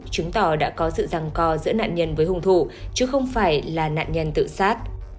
chứng tỏ đã có sự răng co giữa nạn nhân với hung thủ chứ không phải là nạn nhân tự sát